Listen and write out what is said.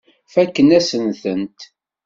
Fakken-asen-tent.